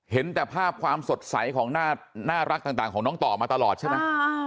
เห็นแต่ภาพความสดใสของน่ารักต่างของน้องต่อมาตลอดใช่ไหม